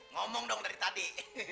ngomong dong dari tadi